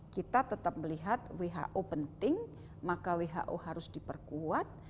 kita tetap melihat who penting maka who harus diperkuat